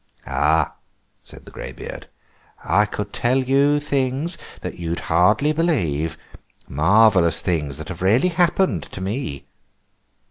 "Ah," said the greybeard, "I could tell you things that you'd hardly believe. Marvellous things that have really happened to me."